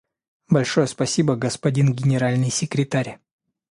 Большое спасибо, господин Генеральный секретарь.